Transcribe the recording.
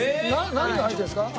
何が入ってるんですか？